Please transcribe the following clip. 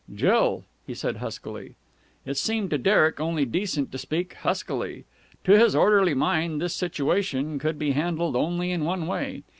"Jill!" he said huskily. It seemed to Derek only decent to speak huskily. To his orderly mind this situation could be handled only in one way.